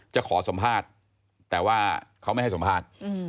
จะขอสัมภาษณ์แต่ว่าเขาไม่ให้สัมภาษณ์